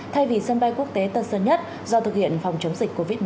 thay vì sân bay quốc tế tân sơn nhất do thực hiện phòng chống dịch covid một mươi chín